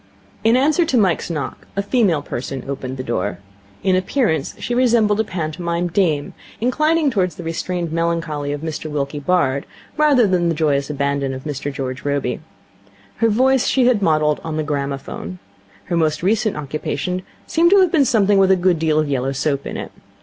In answer to Mike's knock, a female person opened the door. In appearance she resembled a pantomime 'dame', inclining towards the restrained melancholy of Mr Wilkie Bard rather than the joyous abandon of Mr George Robey. Her voice she had modelled on the gramophone. Her most recent occupation seemed to have been something with a good deal of yellow soap in it.